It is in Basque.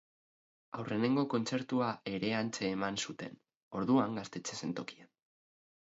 Aurrenengo kontzertua ere hantxe eman zuten, orduan gaztetxe zen tokian.